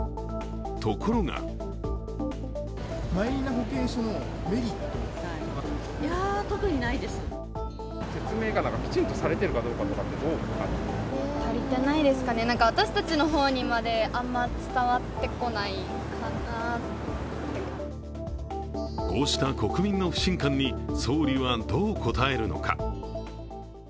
ところがこうした国民の不信感に総理はどう答えるのか。